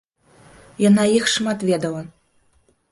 Яна іх шмат ведала.